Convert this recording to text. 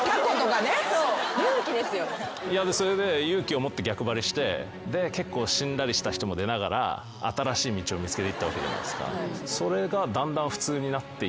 それで勇気を持って逆張りしてで結構死んだりした人も出ながら新しい道を見つけていったわけじゃないですか。